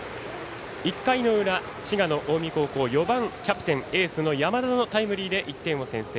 １回の裏、滋賀の近江高校４番、キャプテンエースの山田のタイムリーで１点を先制。